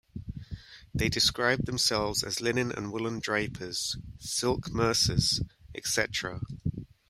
They described themselves as 'Linen and Woollen Drapers, Silk Mercers etc..'.